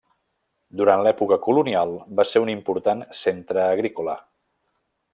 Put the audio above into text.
Durant l'època colonial va ser un important centre agrícola.